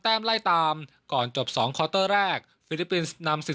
แต้มไล่ตามก่อนจบสองคอร์เตอร์แรกฟิลิปปินส์นำสิบ